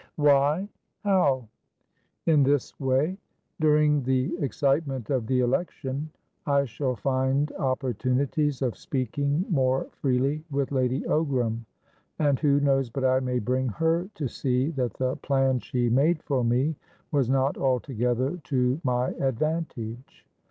"Why? How?" "In this way. During the excitement of the election, I shall find opportunities of speaking more freely with Lady Ogram, and who knows but I may bring her to see that the plan she made for me was not altogether to my advantage?